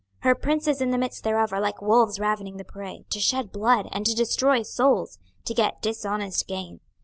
26:022:027 Her princes in the midst thereof are like wolves ravening the prey, to shed blood, and to destroy souls, to get dishonest gain.